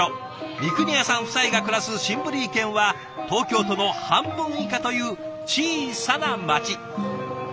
三国谷さん夫妻が暮らすシンブリー県は東京都の半分以下という小さな街。